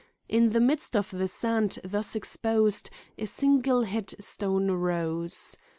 In the midst of the sand thus exposed a single head stone rose.